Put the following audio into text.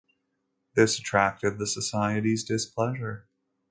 This attracted the Society's displeasure.